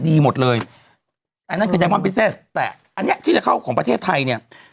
ดีหมดเลยแต่อันนั้นคือแต่อันเนี้ยที่จะเข้าของประเทศไทยเนี้ย